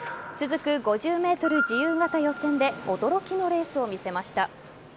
続く５０ｍ自由形予選で驚きのレースを見せました。